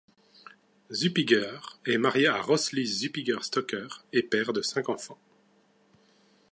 Zuppiger est marié à Rösli Zuppiger-Stocker et père de cinq enfants.